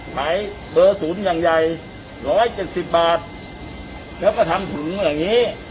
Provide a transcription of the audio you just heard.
ขายเบอร์ศูนย์อย่างใหญ่ร้อยเจ็ดสิบบาทแล้วก็ทำถุงแบบนี้